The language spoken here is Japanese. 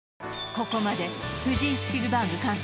ここまで藤井スピルバーグ監督